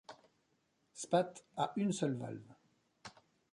Spathe à une seule valve.